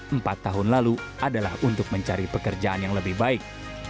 empat tahun lalu adalah untuk mencari pekerjaan yang lebih baik